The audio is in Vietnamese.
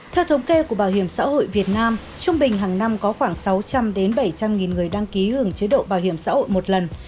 theo thống kê của bảo hiểm xã hội việt nam trung bình hàng năm có khoảng sáu trăm linh bảy trăm linh người đăng ký hưởng chế độ bảo hiểm xã hội một lần